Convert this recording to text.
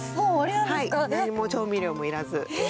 なんの調味料もいらず。